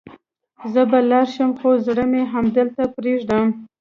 زه به لاړ شم، خو زړه مې همدلته پرېږدم.